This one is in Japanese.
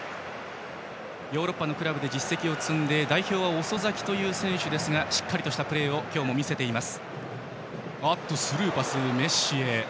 ヨーロッパのクラブで実績を積んで代表は遅咲きという選手ですがしっかりとしたプレーを今日も見せています。